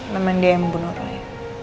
memang dia yang membunuh orangnya